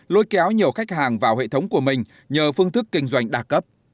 lôi kéo nhiều khách hàng vào hệ thống của mình nhờ phương thức kinh doanh đa cấp